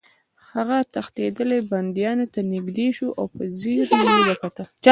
هغه تښتېدلي بندیانو ته نږدې شو او په ځیر یې وکتل